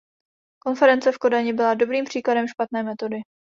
Konference v Kodani byla dobrým příkladem špatné metody.